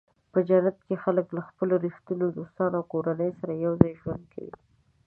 په جنت کې خلک له خپلو رښتینو دوستانو او کورنیو سره یوځای ژوند کوي.